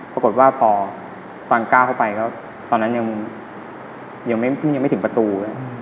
ปรากฏว่าพอฟังก้าวเข้าไปก็ตอนนั้นยังไม่ถึงประตู